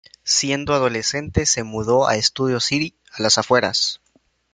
Siendo adolescente se mudó a Studio City, a las afueras.